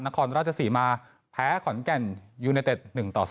นครราชศรีมาแพ้ขอนแก่นยูเนเต็ด๑ต่อ๒